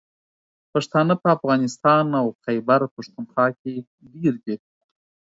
پښتانه په افغانستان او خیبر پښتونخوا کې ډېر دي.